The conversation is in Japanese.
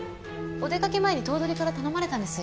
お出かけ前に頭取から頼まれたんです。